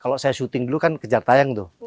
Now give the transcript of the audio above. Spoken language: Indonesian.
kalau saya syuting dulu kan kejar tayang tuh